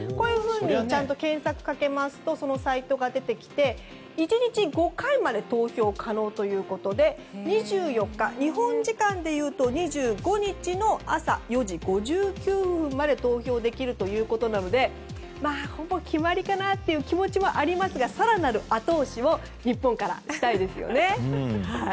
ちゃんと検索をかけますとそのサイトが出てきて１日５回まで投票可能ということで２４日、日本時間でいうと２５日の朝、４時５９分まで投票できるということなのでほぼ決まりかなという気持ちもありますが更なる後押しを日本からしたいですよね。